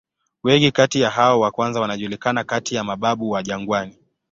Wengi kati ya hao wa kwanza wanajulikana kati ya "mababu wa jangwani".